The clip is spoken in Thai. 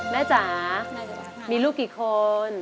จ๋ามีลูกกี่คน